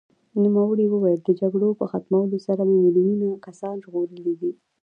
نوموړي وویل، د جګړو په ختمولو سره مې میلیونونه کسان ژغورلي دي.